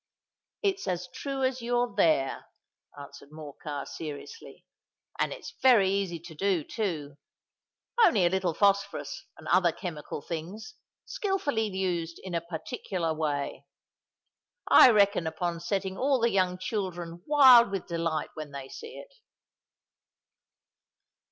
"It's as true as you're there," answered Morcar, seriously; "and it's very easy to do, too:—only a little phosphorus and other chemical things, skilfully used in a particular way. I reckon upon setting all the young children wild with delight when they see it."